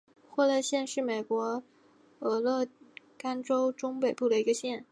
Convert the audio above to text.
惠勒县是美国俄勒冈州中北部的一个县。